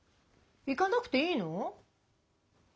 行かなくていいの？